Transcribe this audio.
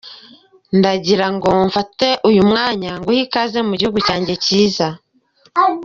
Ndagira ngo mfate uyu mwanya nguhe ikaze mu gihugu cyanjye cyiza.